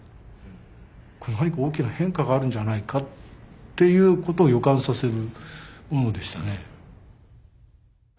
何か大きな変化があるんじゃないかっていうことを予感させるものでしたね。